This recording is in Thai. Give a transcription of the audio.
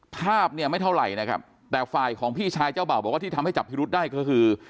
ภาพเนี่ยไม่เท่าไหร่นะครับแต่ฝ่ายของพี่ชายเจ้าบ่าวบอกว่าที่ทำให้จับพิรุษได้ก็คือ